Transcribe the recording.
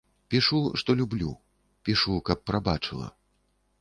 Пішу, што люблю, пішу, каб прабачыла.